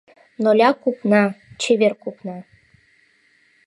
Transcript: Ноля купна, чевер купна